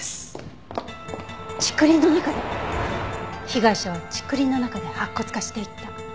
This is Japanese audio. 被害者は竹林の中で白骨化していった？